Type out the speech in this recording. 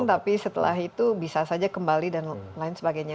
tapi setelah itu bisa saja kembali dan lain sebagainya